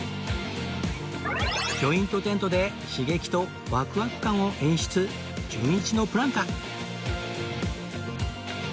ジョイントテントで刺激とワクワク感を演出じゅんいちのプランか？